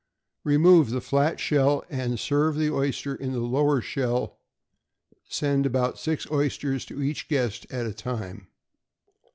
Remove the flat shell, and serve the oyster in the lower shell; send about six oysters to each guest at a time.